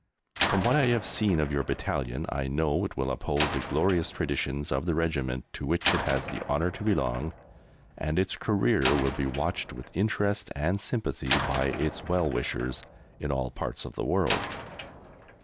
From what I have seen of your battalion I know it will uphold the glorious traditions of the Regiment to which it has the honour to belong, and its career will be watched with interest and sympathy by its well wishers in all parts of the world.